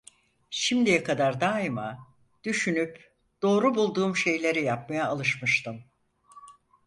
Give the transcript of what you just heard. Şimdiye kadar daima, düşünüp doğru bulduğum şeyleri yapmaya alışmıştım…